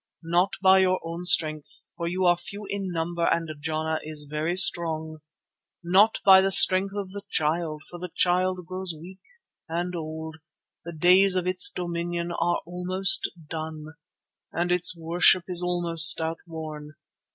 Not by your own strength, for you are few in number and Jana is very strong. Not by the strength of the Child, for the Child grows weak and old, the days of its dominion are almost done, and its worship is almost outworn.